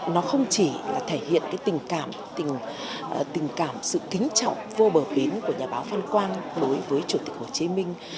nó không chỉ là thể hiện tình cảm tình cảm sự kính trọng vô bờ bến của nhà báo phan quang đối với chủ tịch hồ chí minh